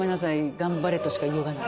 頑張れとしか言いようがない。